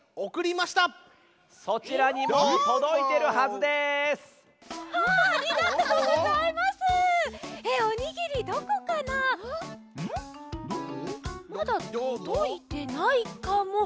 まだとどいてないかも。